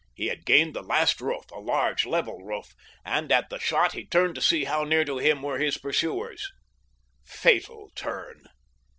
He had gained the last roof—a large, level roof—and at the shot he turned to see how near to him were his pursuers. Fatal turn!